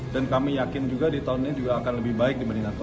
dan kami yakin juga di tahun ini juga akan lebih baik